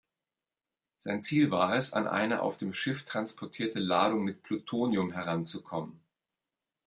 Sein Ziel war es, an eine auf dem Schiff transportierte Ladung mit Plutonium heranzukommen.